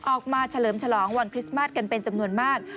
เฉลิมฉลองวันคริสต์มาสกันเป็นจำนวนมาก